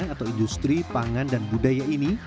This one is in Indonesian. atau industri pangan dan budaya ini